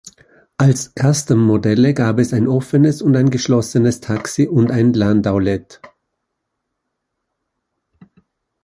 Als "Custom"-Modelle gab es ein offenes und ein geschlossenes Taxi und ein Landaulet.